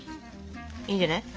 いいんじゃない？